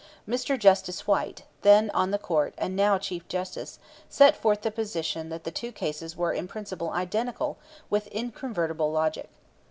Mr. Justice White, then on the Court and now Chief Justice, set forth the position that the two cases were in principle identical with incontrovertible logic.